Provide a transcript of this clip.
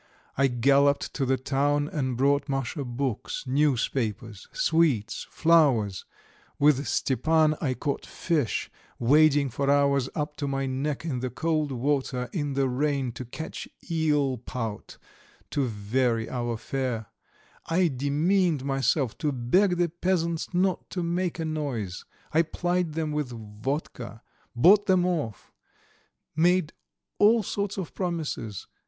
I galloped to the town and brought Masha books, newspapers, sweets, flowers; with Stepan I caught fish, wading for hours up to my neck in the cold water in the rain to catch eel pout to vary our fare; I demeaned myself to beg the peasants not to make a noise; I plied them with vodka, bought them off, made all sorts of promises.